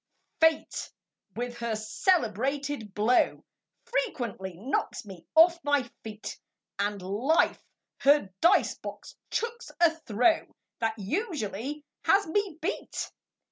Fate with her celebrated blow Frequently knocks me off my feet; And Life her dice box chucks a throw That usually has me beat.